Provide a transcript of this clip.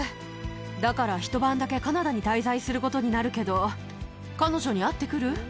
だから、一晩だけ、カナダに滞在することになるけど、彼女に会ってくる？